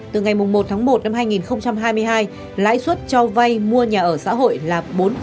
từ ngày một tháng một năm hai nghìn hai mươi hai lãi suất cho vay mua nhà ở xã hội là bốn